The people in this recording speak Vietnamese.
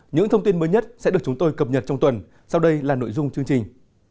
những thông tin mới nhất sẽ được chúng tôi cập nhật trong tuần sau đây là nội dung chương trình